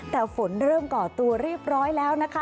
แต่ฝนเริ่มก่อตัวเรียบร้อยแล้วนะคะ